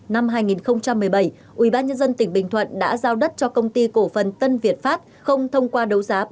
năm hai nghìn một mươi bảy ubnd tỉnh bình thuận đã giao đất cho công ty cổ phần tân việt pháp không thông qua đấu giá